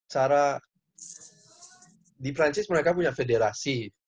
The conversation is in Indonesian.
cara di perancis mereka punya federasi